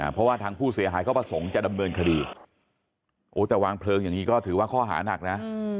เพราะว่าทางผู้เสียหายเขาประสงค์จะดำเนินคดีโอ้แต่วางเพลิงอย่างนี้ก็ถือว่าข้อหานักนะ